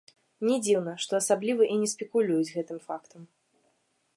Не дзіўна, што асабліва і не спекулююць гэтым фактам.